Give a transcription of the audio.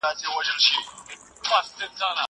هغه وويل چي پاکوالي مهم دی!